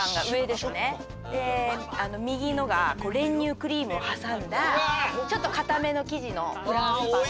で右のが練乳クリームを挟んだちょっと硬めの生地のフランスパンで。